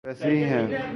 ویسی ہی ہیں۔